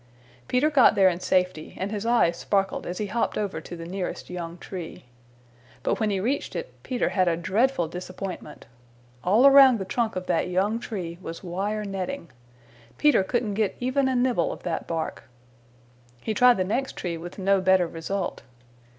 Peter got there in safety and his eyes sparkled as he hopped over to the nearest young tree. But when he reached it, Peter had a dreadful disappointment. All around the trunk of that young tree was wire netting. Peter couldn't get even a nibble of that bark. He tried the next tree with no better result.